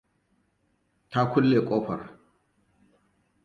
Ta kulle kofar.